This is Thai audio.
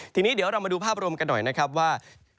ทีนี้เดี๋ยวเรามาดูภาพรวมกันหน่อยนะครับว่า